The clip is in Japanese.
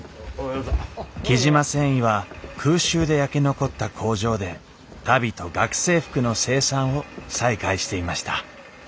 雉真繊維は空襲で焼け残った工場で足袋と学生服の生産を再開していました。